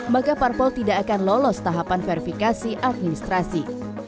maka parpol tidak akan lolos tahapan verifikasi administrasi